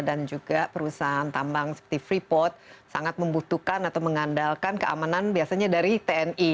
dan juga perusahaan tambang seperti freeport sangat membutuhkan atau mengandalkan keamanan biasanya dari tni